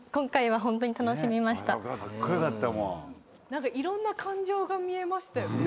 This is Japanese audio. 何かいろんな感情が見えましたよね。